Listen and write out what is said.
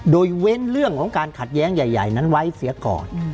โดยเว้นเรื่องของการขัดแย้งใหญ่นั้นไว้เสียก่อน